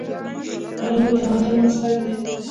قلم د تمدن مظهر دی.